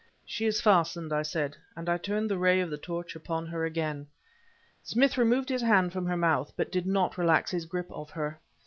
"She is fastened," I said, and I turned the ray of the torch upon her again. Smith removed his hand from her mouth but did not relax his grip of her.